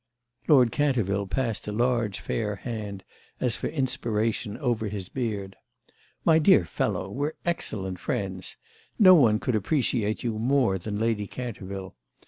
Lord Canterville passed a large fair hand, as for inspiration, over his beard. "My dear fellow, we're excellent friends. No one could appreciate you more than Lady Canterville.